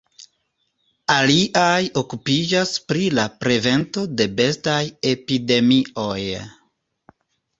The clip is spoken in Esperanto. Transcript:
Aliaj okupiĝas pri la prevento de bestaj epidemioj.